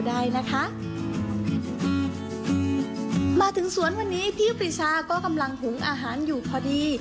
ได้นะคะอืมมาถึงสวนวันนี้พี่ปริชาก็กำลังหุงอาหารอยู่พอดี